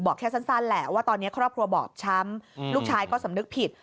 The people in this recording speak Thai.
แค่สั้นแหละว่าตอนนี้ครอบครัวบอบช้ำลูกชายก็สำนึกผิด